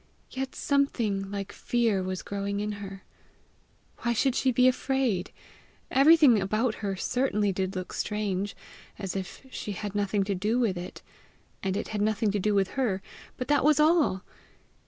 Yet something like fear was growing in her! Why should she be afraid? Everything about her certainly did look strange, as if she had nothing to do with it, and it had nothing to do with her; but that was all!